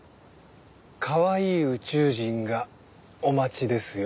かわいい宇宙人がお待ちですよ。